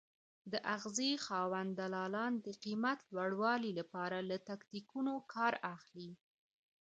د اغېزې خاوند دلالان د قیمت لوړوالي لپاره له تاکتیکونو کار اخلي.